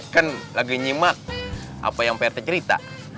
kan lagi nyimat apa yang pak rt cerita